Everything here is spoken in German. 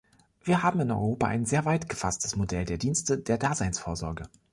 Wir haben in Europa ein sehr weit gefasstes Modell der Dienste der Daseinsvorsorge.